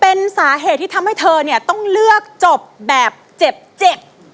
เป็นสาเหตุที่ทำให้เธอเนี่ยต้องเลือกจบแบบเจ็บเจ็บ